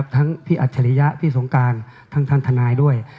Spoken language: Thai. ทั้งพี่อัจฉริยะพี่สงการทั้งท่านทนายด้วย